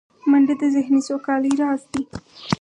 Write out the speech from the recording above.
منډه د ذهني سوکالۍ راز دی